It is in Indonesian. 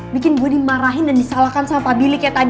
bikin gue dimarahin dan disalahkan sama pabilik ya tadi